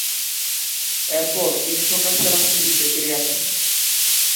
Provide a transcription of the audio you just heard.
এরপর তিনি প্রকাশ্য রাজনীতিতে ফিরে আসেন।